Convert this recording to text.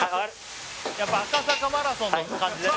やっぱ赤坂マラソンの感じでね